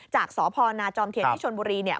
จากสพนจเทียร์ที่ชนบุรี